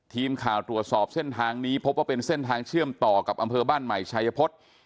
ทีมข่าวตรวจสอบเส้นทางนี้พบว่าเป็นเส้นทางเชื่อมต่อกับอำเภอบ้านใหม่ชัยพฤษ